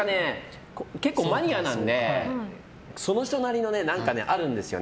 結構マニアなのでその人なりのがあるんですよね